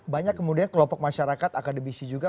banyak kemudian kelompok masyarakat akademisi juga